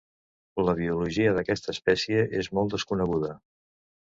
La biologia d'aquesta espècie és molt desconeguda.